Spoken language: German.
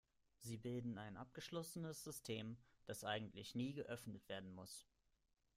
Sie bilden ein abgeschlossenes System, das eigentlich nie geöffnet werden muss.